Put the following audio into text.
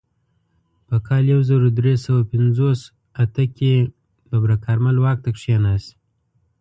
په کال یو زر درې سوه پنځوس اته کې ببرک کارمل واک ته کښېناست.